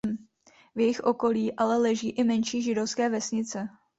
V jejich okolí ale leží i menší židovské vesnice.